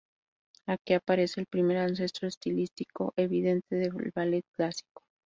Aquí aparece el primer ancestro estilístico evidente del ballet clásico.